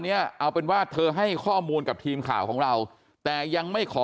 เนี่ยเอาเป็นว่าเธอให้ข้อมูลกับทีมข่าวของเราแต่ยังไม่ขอ